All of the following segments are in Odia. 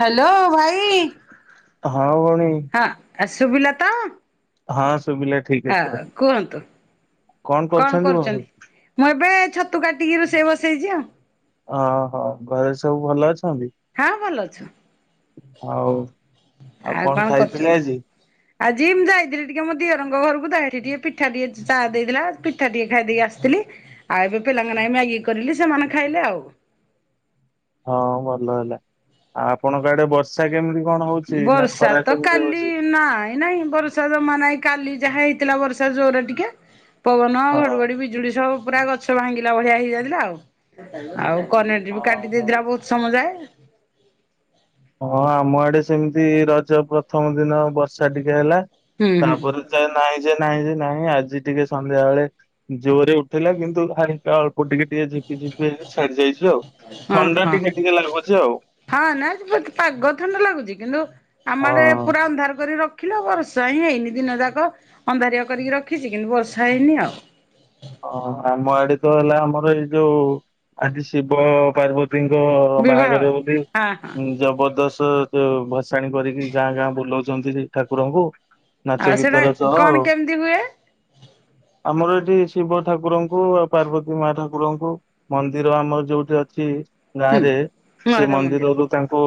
ହ୍ୟାଲୋ ଭାଇ। ହଁ ଭୋଉଣୀ। ହଁ ସୁଭିଲା ତ। ହଁ ଶୁଭିଲା। ଠିକ୍ ହଁ ଏଥର। କୁହନ୍ତୁ କଣ କରୁଛନ୍ତି ଭଉଣୀ? କରୁଛନ୍ତି। ମୁଁ ଏବେ ଛତୁ କାଟିକି ରୋଷେଇ ବସେଇଛି ଆଉ। ଓହୋ ଘରେ ସବୁ ଭଲ ଅଛନ୍ତି। ହଁ ଭଲ ଅଛୁ ଆଉ ଆଉ କଣ କରୁଛନ୍ତି ଆଜି ମୁଁ ଯାଇଥିଲି ଟିକେ ମୋ ଦିଅରଙ୍କ ଘରକୁ ଯାଇଥିଲି ଟିକେ ପିଠା ଟିକେ ଚା ଦେଇଥିଲା ପିଠା ଟିକେ ଖାଇଦକି ଆସିଥିଲି। ଆଉ ଏବେ ପିଲାଙ୍କ ମ୍ୟାଗି କରିଲି ସେମାନେ ଖାଇଲେ ଆଉ। ହଁ ଭଲ ହେଲା ଆଉ ଆପଣଙ୍କ ଆଡେ ବର୍ଷା କେମିତି କଣ ହଉଛି ନା ବର୍ଷା ଖରା ତ କେମିତି କାଲି ହଉଛି? ନାହିଁ। ନାଇଁ ବର୍ଷା ଜମା ନାଇଁ କାଲି ଯାହା ହେଇଥିଲା ବର୍ଷା ଜୋରରେ ଟିକେ ପବନ ହଁ। ଘଡ଼ଘଡ଼ି ବିଜୁଳି ସବୁ ପୁରା ଗଛ ଭାଙ୍ଗିଲା ବଳିିଆ ହେଇଯାଇଥିଲା ଆଉ- କନେଟ ବି କାଟି ଦେଇଥିଲା ବହୁତ ସମୟ ଯାଏ ହଁ ଆମ ଆଡେ ସେମିତି ରଜ ପ୍ରଥମ ଦିନ ବର୍ଷା ଟିକେ ହେଲା ହୁଁ ହୁଁ ତାପରେ ନାଇଁ ଯେ ନାଇଁ ଯେ ନାଇଁ ଆଜି ଟିକେ ସନ୍ଧ୍ୟାବେଳେ ଜୋରରେ ଉଠିଲା କିନ୍ତୁ ଖାା ଅଳ୍ପ ଟିକେ ଟିକେ ଝିପି ଝିପି ଛାଡି ଯାଇଛି ଆଉ ହଁ ଥଣ୍ଡା ହଁ। ଟିକେ ଟିକେ ଲାଗୁଛି ଆଉ। ହଁ ନା ପାଗ ଥଣ୍ଡା ଲାଗୁଛି କିନ୍ତୁ ଆମଡେ ହଁ। ପୁରା ଅନ୍ଧାର କରିଖ ରୋଖିଛି। ରଖିଲ ବର୍ଷା ହିଁ ହେଇନି ଦିନ ଯାକ ଅନ୍ଧାରିଆ କରିକି ରଖିଛି କିନ୍ତୁ ବର୍ଷା ହେଇନି ଆଉ ହଁ ଆମ ଆଡେ ତ ହେଲା ଆମର ଏଇ ଯୋଉ ଆଜି ଶିବ ପାର୍ବତୀ ଶିବ ବିବାହ ବାହାଘର ବୋଲି ହଁ ହଁ। ଜବରଦସ୍ତ ଭସାଣି କରିକି ଗାଁ ଗାଁ ବୁଲାଉଛନ୍ତି ଠାକୁରଙ୍କୁ ଆଉ ନାଚ ସେଟା ଗୀତରେ ସହ କଣ ଆଉ କେମିତି ହୁଏ ଆମର ଏଠି ଶିବ ଠାକୁରଙ୍କୁ ଆଉ ପାର୍ବତୀ ମା ଠାକୁରଙ୍କୁ ମନ୍ଦିର ଆମର ଯୋଉଠି ଅଛି ହୁଁ ଗାଁରେ ସେ ମହାଦେବ ମନ୍ଦିର ମନ୍ଦିରରୁ ତାଙ୍କୁ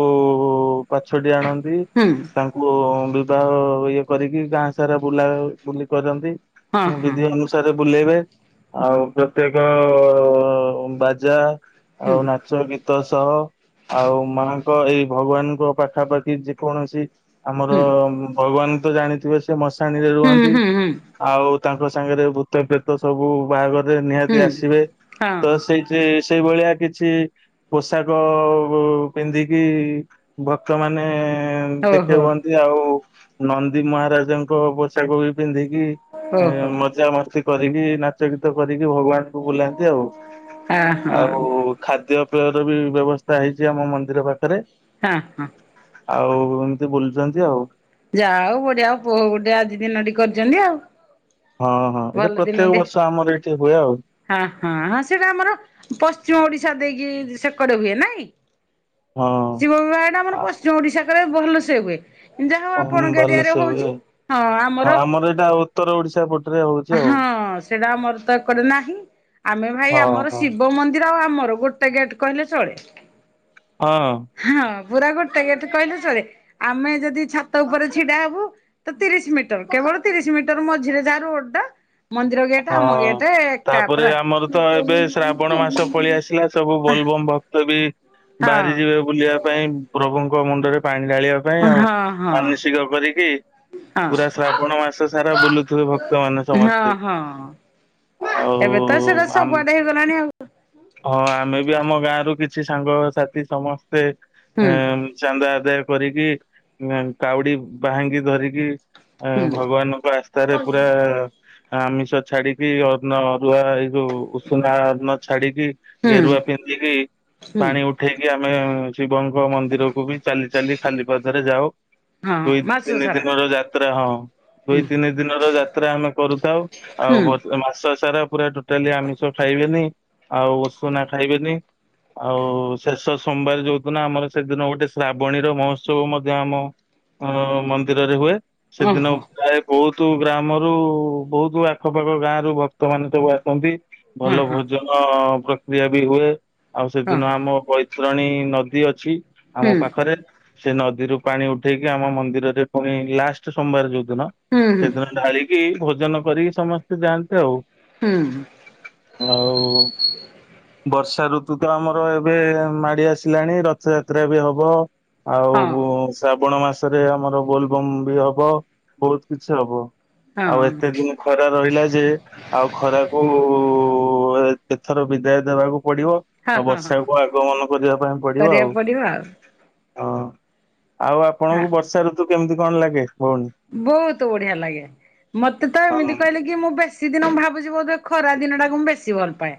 ପାଛଟି ଆଣନ୍ତି ହୁଁ। ତାଙ୍କୁ ବିବାହ ଇଏ କରିକି ଗାଁ ସାରା ବୁଲା ବୁଲି କରନ୍ତି ହଁ ହଁ ବିଧି ଅ ଅନୁସାରେ ବୁଲେଇବେ ଆଉ ପ୍ରତ୍ୟେକ ବାଜା ହୁଁ ଆଉ ନାଚ ଗୀତ। ତ ସହ ଆଉ ମାଙ୍କ ଏଇ ଭଗବାନଙ୍କ ପାଖାପାଖି ଯେକୌଣସି ଆମର ହୁଁ ଭଗବାନ ତ ଜାଣିଥିବେ ସେ ମଶାଣିରେ ହୁଁ ରୁହନ୍ତି ହୁଁ ହୁଁ ଆଉ ତାଙ୍କ ସାଙ୍ଗରେ ଭୂତ ପ୍ରେତ ସବୁ ବାହାଘରରେ ନିହାତି ହୁଁ। ଆସିବେ ତ ହଁ ସେଇ ଯେ ସେଇ ଭଳିଆ କିଛି ପୋଷାକ ପିନ୍ଧିକି ଭକ୍ତମାନେ ଦେଖେଇ ଓହୋ ହୁଅନ୍ତି ଆଉ ନନ୍ଦୀ ମହାରାଜାଙ୍କ ପୋଷାକ ବି ପିନ୍ଧିକି ଓହୋ ମଜା ମସ୍ତି କରିକି ନାଚ ଗୀତ କରିକି ଭଗବାନ ବୁଲାନ୍ତି ଆଉ ଆ ହଁ ଆଉ ଖାଦ୍ୟ ପେୟର ବି ବ୍ୟବସ୍ଥା ହେଇଛି ଆମ ମନ୍ଦିର ପାଖରେ। ହଁ ହଁ ଆଉ ଏମିତି ବୁଲୁଛନ୍ତି ଆଉ। ଯା ଆଉ ବଢିଆ ଆଉ ଗୋଟେ ଆଜି ଦିନ ଟି କରିଛନ୍ତି ଆଉ। ହଁ ହଁ ଏଇଟା ଭଲ ପ୍ରତ୍ୟେକ ଦିନଟେ। ବର୍ଷ ଆମର ଏଇଠି ହୁଏ ଆଉ। ହଁ ହଁ ହ ସେଇଟା ଆମର ପଶ୍ଚିମ ଓଡିଶା ଦେଇକି ସେକଡେ ହୁଏ ନାଇଁ। ହଁ। ଶିବ ବିବାହ ଟା ଆ ଆମର ପଶ୍ଚିମ ଓଡିଶା କରେ ଭଲସେ ହୁଏ। ଯାହା ହଉ ଓହୋ ଆପଣଙ୍କ ଏରିଆରେ ଭଲସେ ହୁଏ ଆଉ ହଉଛି ହଁ ଆମର ଉତ୍ତର ଓଡିଶା ପ ହଁ ସେଇଟା ଆମର ତ ଏ କଡେ ନାହିଁ ଆମେ ଭାଇ ହଁ ଆମର ହଁ। ଶିବ ମନ୍ଦିର ଆଉ ଆମର ଗୋଟେ ଗୋଟେ ଗେଟ୍ କହିଲେ ଚଳେ। ହଁ। ହଁ ପୁରା ଗୋଟେ ଗେଟ କହିଲେ ଚଳେ ଆମେ ଯଦି ଛାତ ଉପରେ ଛିଡା ହବୁ ତ ତିରିଶ ମିଟର କେବଳ ତିରିଶ ମିଟର ମଝିରେ ଯା ରୋ ହଁ ଏକା ତାପରେ ପୁରା ଆମର ତ ଏବେ ଶ୍ରାବଣ ମାସ ପଳେଇ ଆସିଲା ସବୁ ଗୋଲବୋମ୍ ଭ କ୍ତ ବି ବାହାରି ଯିବେ ହଁ ବୁଲିବା ପାଇଁ ପ୍ରଭୁଙ୍କ ମୁଣ୍ଡରେ ପାଣି ଢାଳିବା ପାଇଁ ଆଉ ହଁ ହଁ ମାନସିକ କରିକି। ହଁ ପୁରା ଶ୍ରାବଣ ମାସ ସାରା ବୁଲୁଥିବେ ଭକ୍ତ ମାନ ହଁ ସମସ୍ତେ। ହଁ। ଏବେ ତ ସେଟା ଆଉ ଆମ। ସବୁଆଡେ ହେଇଗଲାଣି ଆଉ ହଁ ଆମେ ବି ଆମ ଗାଁ ରୁ କିଛି ସାଙ୍ଗସାଥି ସମସ୍ତେ ଅ ହୁଁ ଚାନ୍ଦା ଆଦାୟ କରିକି କାଉଡି ବାହାଙ୍ଗି ଧରିକି ହୁଁ ଭଗବାନଙ୍କ ଆସ୍ଥାରେ ପୁରା ଆମି ଛାଡିକି ଅନ୍ନ ଅରୁଆ ଏଇ ଯୋଉ ଉଷୁନା ଅନ୍ନ ଛାଡିକି ହୁଁ ଗେରୁଆ ପିନ୍ଧିକି ହୁଁ। ପାଣି ଉଠେଇକି ଆମେ ଶିବଙ୍କ ମନ୍ଦିରକୁ ବି ଚାଲି ଚାଲି ଖାଲି ପାଦରେ ଯାଉ। ହଁ ହଁ ଦୁଇ ମାସ ତିନି ସାରା ଦିନର ଯାତ୍ରା ହଁ ହୁଁ ଦୁଇ ତିନି ଦିନର ଯାତ୍ରା ଆମେ କରୁଥାଉ। ଆଉ ହୁଁ ବର୍ଷ- ମାସ ସାରା ପୁରା ଟୋଟାଲି ଆମିଷ ଖାଇବେନି ଆଉ ଉଷୁନା ଖାଇବେନି। ଆଉ ଶେଷ ସୋମବାର ଯୋଉ ଦିନ ଆମର ସେଦିନ ଗୋଟେ ଶ୍ରାବଣୀର ମହୋତ୍ସବ ମଧ୍ୟ ଆମ ଅ ମନ୍ଦିରରେ ହୁଏ ସେଦିନ ଓହୋ ପ୍ରାୟ ବହୁତ ଗ୍ରାମରୁ ବହୁତ ହୁତ ଆଖପାଖ ଗାଁ ରୁ ଭକ୍ତ ମାନ ସବୁ ଆସନ୍ତି ହଁ ଭଲ ହଁ ଭୋଜନ ପ୍ରକ୍ରିୟା ବି ହୁଏ ଆଉ ହଁ ସେଦିନ ହଁ। ଆମ ବୈତରଣୀ ନଦୀ ଅଛି। ଆମ ହୁଁ ପାଖରେ। ସେ ନଦୀରୁ ପାଣି ଉଠେଇକି ଆମ ମନ୍ଦିରରେ ପୁଣି ଲାଷ୍ଟ ସୋମବାର ଯୋଉ ଦିନ ହୁଁ ହୁଁ ସେଦିନ ଢାଳିକି କି ଭୋଜନ କରିକି ସମସ୍ତେ ଯାଆନ୍ତି ଆଉ। ହୁଁ। ଆଉ ବର୍ଷା ଋତୁ ତ ଆମର ଏବେ ମାଡି ଆସିଲାଣି ରଥଯାତ୍ରା ବି ହବ। ଆଉ। ହଁ ଶ୍ରାବଣ ମାସରେ ଆମର ବୋଲବମ୍ ବି ହବ ବହୁତ କିଛି ହବ ହଁ ଆଉ ଏ ସେ ଦିନ ଖରା ରହିଲା ଯେ ଆଉ ଖରାକୁ। ଏଥର ବିଦାୟ ଦେବାକୁ ପଡିବ ହଁ ଆଉ ହଁ ହଁ। ବର୍ଷାକୁ ଆଗମନ କରିବା ପାଇଁ ପଡିବ ଆଉ କରିବାକୁ ଆଉ ହଁ ଆଉ ହଁ ଆପଣଙ୍କୁ ବର୍ଷା ଋତୁ କେମିତି କଣ ଲାଗେ କୁହନ୍ତୁ ବହୁତ ବଢିଆ ଲାଗେ ମତେ ତ ହଁ ଏମିତି କହିଲେ କି ମୁଁ ବେଶୀ ସେଦିନ ମୁଁ ଭାବୁଛି ବୋଧେ ଖରା ଦିନ ଟାକୁ ମୁଁ ବେଶୀ ଭଲ ପାଏ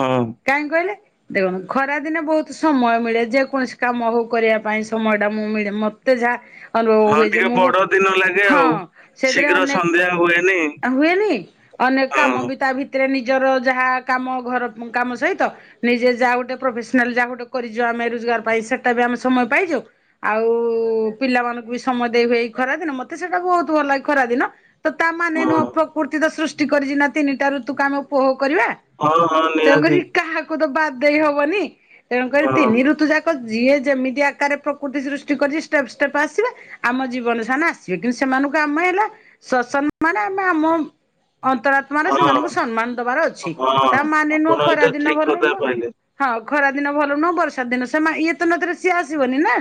ହଁ କାହିଁ କହିଲେ ଦେଖନ୍ତୁ ଖରା ଦିନେ ବହୁତ ସମୟ ମିଳେ ଯେକୌଣସି କାମ ହଉ କରିବା ପାଇଁ ସମୟ ଟା ମୁଁ ମିଳେ ମ ତେ ଯା ହଁ ଟିକେ ବଡ ଦିନ ଲାଗେ ହଁ ଆଉ। ସେଥିରେ ଶୀଘ୍ର ସନ୍ଧ୍ୟା ହୁଏନି ଅନେକ ହୁଏନି ଅନେକ କାମ ହଁ ବି ତା ଭ ଭିତରେ ନିଜର ଯାହା କାମ ଘର କାମ ସହିତ ନିଜେ ଯାହା ଗୋଟେ ପ୍ରଫେସନାଲ ଯାହା ଗୋଟେ କରି ଆମେ ରୋଜଗାର ପାଇଁ ସେଟା ବି ଆମେ ସମୟ ପାଇଯାଉ ଆଉ ପିଲାମାନଙ୍କୁ ବି ସମୟ ଦେଇ ହୁଏ ଖରା ଦିନ ମତେ ସେଟାକୁ ବହୁତ ଭଲ ଲାଗେ ଖରା ଦିନ ତ ତାମାନେ ନୁହଁ ହଁ ପ୍ରକୃତି ତ ସୃଷ୍ଟି କରିଛି ନା ତିନିଟା ଋତୁକୁ ଆମେ ଉପଭୋଗ କରିବା ହଁ ହଁ ନିହାତି ତେଣୁକରି କାହାକୁ ତ ବାଦ୍ ଦେଇ ହବନି ତେଣୁ କରି ହଁ। ତିନି ଋତୁ ଯାକ ଯିଏ ଯେମିତି ଆକାରରେ ପ୍ରକୃତି ସୃଷ୍ଟି କରି ଷ୍ଟେପ ଷ୍ଟେପ୍ ଆସିବା ଆମ ଜୀବନ ସେମାନେ ଆସିବେ କିନ୍ତୁ ସେମାନଙ୍କୁ ଆମେ ହେଲା ଶସନ ମାନେ ଆମେ ଆମ ଅନ୍ତରା ଆମର ହଁ ସେମାନଙ୍କୁ ସମ୍ମାନ ଦବାର ଅଛି ହଁ ତା ମାନେ ଆପଣ ନୁହଁ ଖରା ଏଇଟା ଦିନ ଠିକ ଭଲ କଥା ନୁହଁ। କହିଲେ। ହଁ ଖରା ଦିନ ଭଲ ନୁହଁ ବର୍ଷା ଦିନ ସେମାନେ ଇଏ ତ ନଦରେ ସିଏ ଆସିବନି ନା।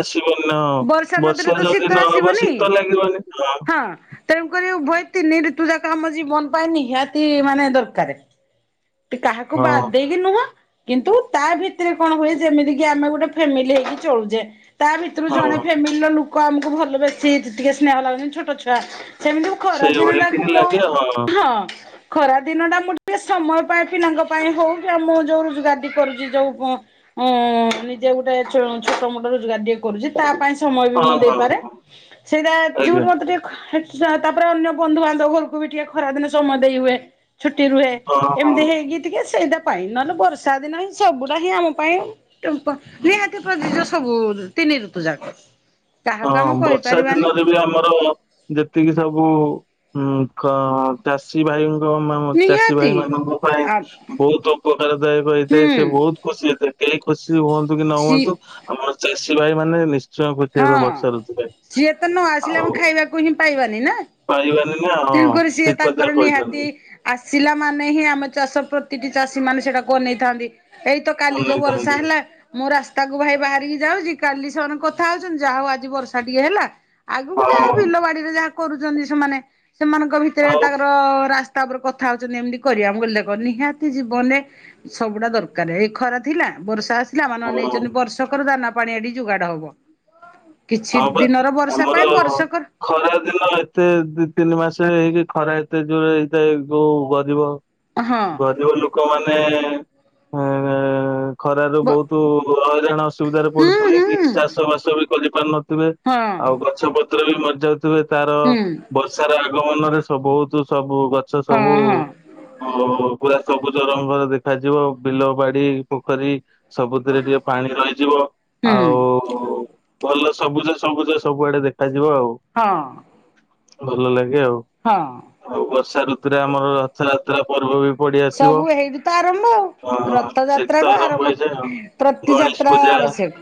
ଆସିବନି ହଁ ନଦୀରେ ବର୍ଷା ତ ଶୀତ ଯଦି ନହବ ଆସିବନି। ଶୀତ ଲାଗିବନି ହଁ। ହଁ। ତେଣୁକରି ଉଭୟତିନି ଋତୁଜାକ ଆମ ଜୀବନ୍ ପାଇଁ ନିହାତି ମାନେ ଦରକାରେ। ତ କାହାକୁ ବା ଦେଇ ନୁହଁ କିନ୍ତୁ ତା ଭିତରେ କଣ ହୁଏ ଯେମିତି କି ଆମେ ଗୋଟେ ଫ୍ୟାମିଲି ହେଇକି ଚଳୁଚେ ତା ଭିତରୁ ହଁ ହଁ। ଜଣେ ଫେମିଲ୍ ର ଲୁକ ଆମକୁ ଭଲ ବେଶୀ ଟିକେ ସ୍ନେହ ଲାଗୁନ ଛୋଟ ଛୁଆ ସେମିତି ଖରା ଦିନ ସେଇଭଳି ତାକୁ ଟିକେ ମୁ-ହଁ। ଲାଗେ ହଁ ଖରା ଦିନ ଟା ମୁଁ ଟିକେ ସମୟ ପାଏ ପିଲାଙ୍କ ପାଇଁ ହଉ ଆଉ ମୁଁ ଯଉ ଗାଦ କରୁଛି ଯଉ ଉଁ ନିଜେ ଗୋଟେ ଛୋ-ଛୋଟ ମୋଟ ରୋଜଗାର ଟେ କରୁଚି ତା ପାଇଁ ସମୟ ବି ହଁ ମୁଁ ହଁ ଦେଇପାରେ ହଁ ସେଇଟା ଆଜ୍ଞା ଯୋଉଠି ମତେ ଟିକେ ତାପରେ ଅନ୍ୟ ବନ୍ଧୁବାନ୍ଧବ ଘରକୁ ବି ଟିକେ ଖରାଦିନେ ସମୟ ଦେଇ ହୁଏ। ଛୁଟି ରୁହେ ହଁ ଏମିତି ହଁ। ହେଇକି ଟିକେ ସେଇଟା ପାଇଁ ନହେଲେ ବର୍ଷା ଦିନ ହିଁ ସବୁଟା ହିଁ ଆମ ପାଇଁ ନିହାତି ପ୍ରତିଜ ସବୁ ତିନି ଋତୁ ଯାକ। କାହାକୁ ହଁ ଆମେ ବର୍ଷା କହିପାରିବାନି। ଦିନରେ ଆମର ଯେତିକି ସବୁ ଉଁ ଖ-ଚାଷୀ ଭାଇ [unintelligible] ଚାଷୀ ନିହାତି ଭାଇ ମାନଙ୍କ ପାଇଁ ଆ ବହୁତ ଉପକାର ଦାୟକ ହୁଁ ହେଇଥାଏ ସେ ବହୁତ୍ ଖୁସି ହେଇଥାଏ। କେହି ଖୁସି ହୁଅନ୍ତୁ କି ନ ସି ହୁଅନ୍ତୁ ଆମର ଚାଷୀ ଭାଇ ମାନେ ନିଶ୍ଚୟ ଖୁସି ହେବେ ହଁ ବର୍ଷା ଋତୁରେ ସିଏ ତ ନ ଆସିଲେ ଆମ ଆଉ ଖାଇବାକୁ ହିଁ ପାଇବାନି ନା। ପାଇବାନି ନା ହଁ ତେଣୁକରି ସିଏ ଠିକ କଥା ତାଙ୍କର ନିହାତି କହିଛନ୍ତି ଆସିଲା ମାନେ ହିଁ ଆମ ଚାଷ ପ୍ରତିଟି ଚାଷୀ ମାନେ ସେଇଟାକୁ ଅନେଇଥାନ୍ତି। ଏଇ ତ କାଲି ଯୋଉ ବରଷା ଅନେଇଥାନ୍ତି। ହେଲା ମୁଁ ରାସ୍ତାକୁ ଭାଇ ବାହାରିକି ଯାଉଚି କାଲି ସେମାନେ କ ଥା ହଉଚନ୍ତି ଯା ହଉ ଆଜି ବର୍ଷା ଟିକେ ହେଲା ଆଗକୁ ହଁ ଯାହା ବିଲ ବାଡିରେ ଯାହା କରୁଚନ୍ତି ସେମାନେ ସେମାନଙ୍କ ଭିତରେ ଆଉ ତାଙ୍କର ରାସ୍ତା ଉପରେ କଥା ହଉଚନ୍ତି ଏମିତି କରିବା, ମୁଁ କଇଲି ଦେଖ ନିହାତି ଜୀବନ୍ ରେ ସବୁଡା ଦରକାର୍ ଏଇ ଖରା ଥିଲା ବର୍ଷା ଆସ ପିଲାମାନ ହଁ ନେଇଚନ୍ତି ବର୍ଷକର ଦାନା ପାଣି ଏଠି ଯୁଗାଡ୍ ହବ। କିଛି ହଁ ବା ଦିନର ବର୍ଷା ଆମର ପାଇଁ ବର୍ଷକର ଖରା ଦିନ ଏତେ ଦି ତିନି ମାସେ ହେଇକି ଖରା ଏତେ ଜୋରେ ହେଇଥାଏ ଗୋଉ ଗରିବ। ହଁ ଗରିବ ଲୋକମାନେ ଏଁ ଖରାରୁ ବହୁତୁ ହଇରାଣ ଅସୁବିଧାରେ ହୁଁ ପଡୁଥିବ କି ହୁଁ। ଚାଷ ବାସ ବି କରିପାରୁନ [unintelligible] ହଁ ଆଉ ଗଛ ପତ୍ର ବି ମରିଯାଉଥିବେ ତାର ହୁଁ ବର୍ଷାର ଆଗମନରେ ସବୁ ବହୁତୁ ସବୁ ଗଛ ହଁ ସବୁ ହଁ ଓ ପୁରା ସବୁଜ ରଗଂର ଦେଖାଯିବ ବିଲ ବାଡି ପୋଖରୀ ସବୁଥିରେ ଟିକେ ପାଣି ରହିଯିବ ହୁଁ ଆଉ ଭଲ ସବୁଜ ସବୁଜ ସବୁଆଡେ ଦେଖାଯିବ ଆଉ। ହଁ। ଭଲ ଲାଗେ ଆଉ। ହଁ। ଆଉ ବର୍ଷା ଋତୁରେ ଆମର ରଥଯାତ୍ରା ପର୍ବ ବି ପଡି ଆସିବ ସବୁ ହେଇଠୁ ତ ଆରମ୍ଭ ଆଉ ଅ ସେଠ ତ ରଥଯାତ୍ରାଠୁ ଆରମ୍ଭ ହେଇଯାଏ ପ୍ରତି ଆଉ ଗଣେଶ ଯାତ୍ରା ପୂଜା ଆବଶ୍ୟକ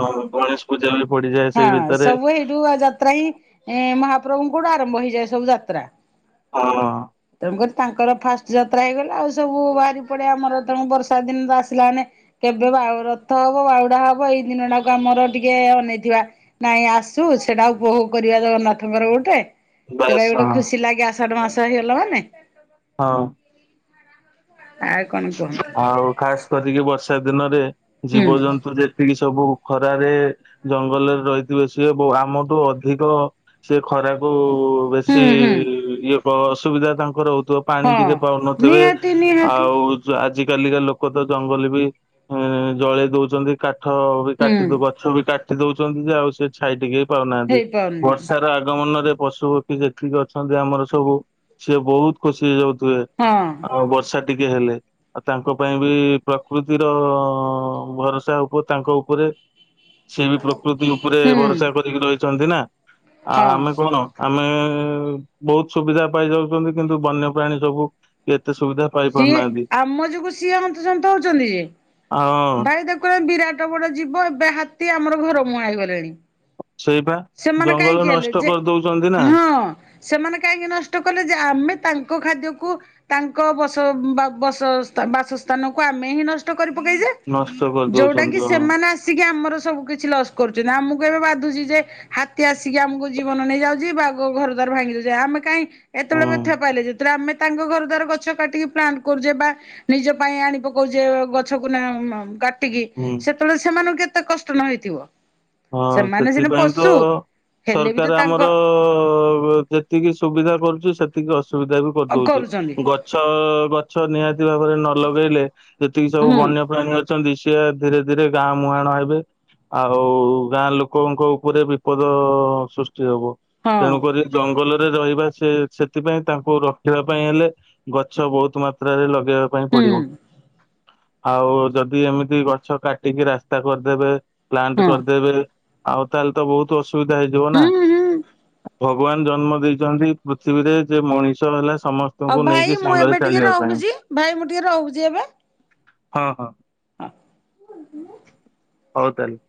ହଁ ଗଣେଶ ପୂଜା ବି ପଡିଯାଏ। ସେଇ ହଁ ଭିତରେ ସବୁ ଏଇଠୁ ଆ ଯାତ୍ରା ହିଁ ମହାପ୍ରଭୁ ଙ୍କୁଠୁ ଆରମ୍ଭ ହେଇଯାଏ ସବୁ ଯାତ୍ରା। ହଁ। ତେଣୁକରି ତାଙ୍କର ଫାଷ୍ଟ ଯାତ୍ରା ହେଇଗଲା। ଆଉ ସବୁ ବାହାରି ପଡି ଆମର ତେଣୁ ବର୍ଷା ଦିନ ତ ଆସିଲା ମାନେ କେବେ ବାଉ ରଥ ହବ ବାହୁଡା ହବ ଏଇ ଦିନଟାକୁ ଆମର ଟିକେ ଅନେଇ ଥିବା ନାଇଁ ଆସୁ ସେଟା ଉପଭୋଗ କରିବା ଜଗନ୍ନାଥଙ୍କର ଗୋଟେ ସେଟା ବାସ୍ ଗୋଟେ ହଁ ଖୁସି ଲାଗେ ଆଷାଢ ମାସ ହେଇଗଲା ମାନେ। ହଁ। ଆଉ କଣ କୁହନ୍ତୁ? ଆଉ ଖାସ୍ କରିକି ବର୍ଷା ଦିନରେ ହୁଁ ଜୀବଜନ୍ତୁ ଯେ ଏମିତି ସବୁ ଖରାରେ ଜଙ୍ଗଲରେ ରହିଥିବେ ସିଏ ବୁ-ଆମଠୁ ଅଧିକ ସେ ଖରାକୁ ବେଶି ହୁଁ ହୁଁ ଇଏ ଅସୁବିଧା ତାଙ୍କର ହଉଥିବ। ପାଣି ହଁ ଟିକେ ପାଉନଥିବେ ନିହାତି ନିହାତି। ଆଉ ଆଜ କାଲିକା ଲୋକ ତ ଜଙ୍ଗଲ ବି ଜଳେଇ ଦଉଚନ୍ତି କାଠ ବି ହୁଁ କାଟି ଦ-ଗ ଗଛ ବି କାଟି ଦଉଛନ୍ତି ଯେ ଆଉ ସେ ଛାଇ ଟିକେ ପାଉନାହାନ୍ତି। ହେଇପାରୁନି ବର୍ଷାର ଆଗମନରେ ପଶୁ ପକ୍ଷୀ ଯେତିକି ଅଛନ୍ତି ଆମର ସବୁ ସିଏ ବହୁତ ଖୁସି ହେଇଯାଉଥିବେ। ହୁଁ। ଆଉ ବର୍ଷା ଟିକେ ହେଲେ ଆଉ ତାଙ୍କ ପାଇଁ ବି ପ୍ରକୃତିର ଭରସା ଉପ ତାଙ୍କ ଉପରେ ସେ ବି ପ୍ରକୃତି ଉପରେ ହୁଁ। ଭରସା କରିକି ରହିଚନ୍ତି ନା ଆଉ ହଁ ଆମେ କଣ? ଆମେ ବହୁତ ସୁବିଧା ପାଇ ଯାଉଚନ୍ତି କିନ୍ତୁ ବନ୍ୟପ୍ରାଣୀ ସବୁ ଏତେ ସୁବିଧା ପାଇ ସିଏ ପାରୁନାହାନ୍ତି ଆମ ଯୋଗୁ ସିଏ ହନ୍ତସନ୍ତ ହଉଛନ୍ତି ଯେ। ହଁ ଭାଇ ଦେ ଖ ଏକ ବିରାଟ ବଡ ଯିବ ଏବେ ହାତୀ ଆମର ଘର ମୁହାଁ ହେଇଗଲେଣି। ସେଇବା ସେମାନେ ଜଙ୍ଗଲ କାହିଁକି ହେଲେ ନଷ୍ଟ ଯେ। କରିଦଉଛନ୍ତି ନା ହଁ ସେମାନେ କାହିଁକି ନଷ୍ଟ କଲେ ଯେ ଆମେ ତାଙ୍କ ଖାଦ୍ୟକୁ ତାଙ୍କ ବସ ବ-ବା-ବସସ୍ଥାନ-ବାସ-ବାସସ୍ଥାନକୁ ଆମେ ହିଁ ନଷ୍ଟ କରି ପକେଇଛେ। ନଷ୍ଟ ଯୋଉଟା କି କରିଦଉଛନ୍ତି ହଁ ସେମାନେ ଆସିକି ଆମର ସବୁ କିଛି ଲସ୍ କରୁଚନ୍ତି ଆମକୁ ଏବେ ବାଧୁଛି ଯେ ହାତୀ ଆସିକି ଆମକୁ ଜୀବନ ନେଇଯାଉଚି ବାଘ ଘରଦ୍ୱାର ଭାଙ୍ଗି ଦଉଚି। ଆମେ କାଇଁ ଏତେବେଳେ ହୁଁ ବ୍ୟଥା ପାଇଲେ ଯେତେବେଳେ ଆମେ ତାଙ୍କ ଘରଦ୍ବାର ଗଛ କାଟିକି ପ୍ଲାନ୍ କରୁଛେ ବା ନିଜ ପାଇଁ ଆଣି ପକଉଛେ ଗଛକୁ କାଟିକି ହୁଁ। ସେ ତେଣୁ ସେମାନଙ୍କୁ କେତେ କଷ୍ଟ ନ ହେଇଥିବ। ହଁ ସେମାନେ ସିନା ସେଥିପାଇଁ ତ ପଶୁ ହେଲେ ବି ତ ସରକାର ତାଙ୍କ ଆମର ଯେ ଯେତିକି ସୁବିଧା କରୁଛି ସେତିକି ଅସୁବିଧା ବି କରିଦଉଛି। କରୁଛନ୍ତି ଗ ଛ ଗଛ ନିହାତି ଭାବରେ ନ ଲଗେଇଲେ ଯେତିକି ସବୁ ହୁଁ ବନ୍ୟପ୍ରାଣୀ ଅଛନ୍ତି ସିଏ ଧିରେ ଧିରେ ଗାଁ ମୁହାଁଣ ହେବେ। ଆଉ ଗାଁ ଲୋକଙ୍କ ଉପରେ ବିପଦ ସୃଷ୍ଟି ହବ। ହଁ ତେଣୁକରି ଜଙ୍ଗଲରେ ରହିବା ସେ ସେଥିପାଇଁ ତାଙ୍କୁ ରଖିବା ପାଇଁ ହେଲେ ଗଛ ବହୁତ ମାତ୍ରାରେ ଲ ଲଗେଇବା ପାଇଁ ହୁଁ ପଡିବ। ଆଉ ଯଦି ଏମିତି ଗଛ କାଟିକି ରାସ୍ତା କରିଦେବେ। ପ୍ଲାଣ୍ଟ୍ ହଁ କର ଦେବେ ଆଉ ତା ହେଲେ ତ ବହୁତ ଅସୁବିଧା ହେଇଯିବ ନା। ହୁଁ ହୁଁ ଭଗବାନ ଜନ୍ମ ଦେଇଛନ୍ତି ପୃଥିବୀରେ ଯେ ମଣିଷ ହେଲା ସମ ଆଉ ଭାଇ ମୁଁ ଏବେ ଟିକେ ରହୁଛି। ଭାଇ ମୁଁ ଟିକେ ରହୁଚି ଏବେ। ହଁ ହଁ। [inaudible] ହଉ ତାହେଲେ